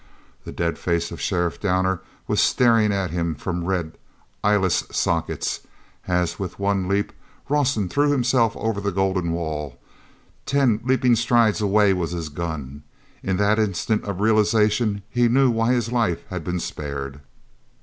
The dead face of Sheriff Downer was staring at him from red, eyeless sockets as with one leap Rawson threw himself over the golden wall. Ten leaping strides away was his gun. In that instant of realization, he knew why his life had been spared.